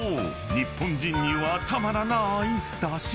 日本人にはたまらなーい］